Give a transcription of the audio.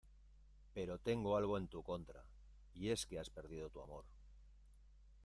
pero tengo algo en tu contra y es que has perdido tu amor